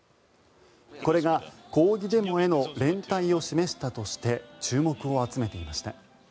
これが抗議デモへの連帯を示したとして注目を集めていました。